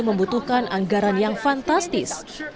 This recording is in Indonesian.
membutuhkan anggaran yang fantastis